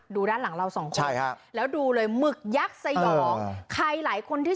ด้านหลังเราสองคนใช่ฮะแล้วดูเลยหมึกยักษ์สยองใครหลายคนที่